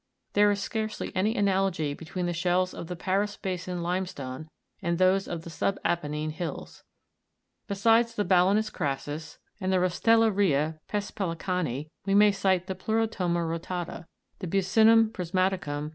There is scarcely any analogy between the shells of the Paris basin limestone and those of the subapennine hills. Besides the Balanus crasus (Jig. 161), and the Rostella' ria pespelica'ni (Jig. 162), we may cite the Pleuro'toma rota'ta (fig. 172), the Buc'cinum prisma'ticum (fig.